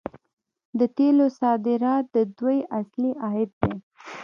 د تیلو صادرات د دوی اصلي عاید دی.